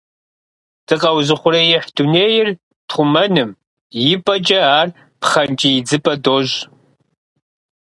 Дыкъэузыухъуреихь дунейр тхъумэным и пӏэкӏэ, ар пхъэнкӏий идзыпӏэ дощӏ.